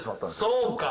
そうか。